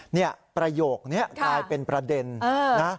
ประโยคนี้กลายเป็นประเด็นนะ